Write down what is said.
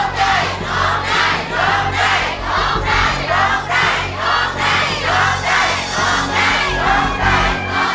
ร้องได้ร้องได้ร้องได้